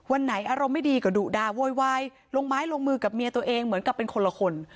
วันไหนอารมณ์ไม่ดีก็ดุดาโวยวายลงไม้ลงมือกับเมียตัวเองเหมือนกับเป็นคนละคน